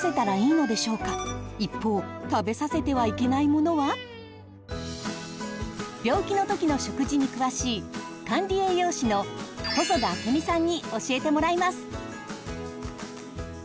子どもが体調をくずしたとき病気のときの食事に詳しい管理栄養士の細田明美さんに教えてもらいます！